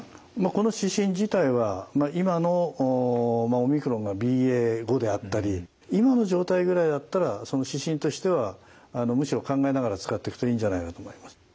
この指針自体は今のオミクロンがＢＡ．５であったり今の状態ぐらいだったら指針としてはむしろ考えながら使っていくといいんじゃないかと思います。